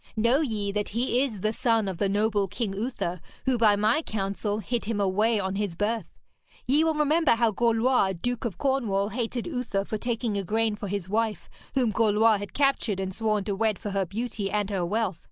Know ye that he is the son of the noble King Uther, who by my counsel hid him away on his birth. Ye will remember how Gorlois, Duke of Cornwall, hated Uther for taking Igraine for wife, whom Gorlois had captured and sworn to wed for her beauty and her wealth.